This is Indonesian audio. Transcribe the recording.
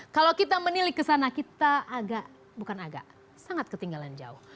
kalau kita menilik ke sana kita agak bukan agak sangat ketinggalan jauh